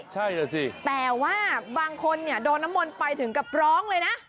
ใช่ล่ะสิแต่ว่าบางคนเนี่ยโดนน้ำมนต์ไปถึงกับร้องเลยนะ